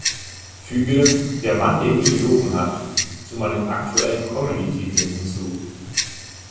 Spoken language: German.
füge "der Mann der nie gelogen hat" zu meinen aktuellen Comedy-Titeln hinzu